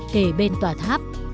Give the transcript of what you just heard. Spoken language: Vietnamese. kể bên tòa tháp